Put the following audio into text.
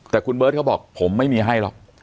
แต่คุณเบิร์ตเขาบอกผมไม่มีให้หรอก